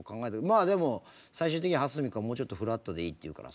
まあでも最終的には蓮見君はもうちょっとフラットでいいって言うから。